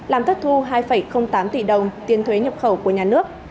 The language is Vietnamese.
làm thất thu hai tám tỷ đồng tiền thuế nhập khẩu của nhà nước